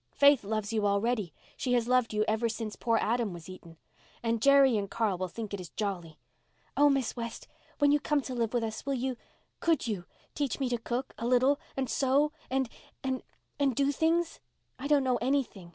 Faith loves you already—she has loved you ever since poor Adam was eaten. And Jerry and Carl will think it is jolly. Oh, Miss West, when you come to live with us, will you—could you—teach me to cook—a little—and sew—and—and—and do things? I don't know anything.